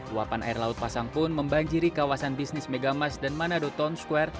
luapan air laut pasang pun membanjiri kawasan bisnis megamas dan manado town square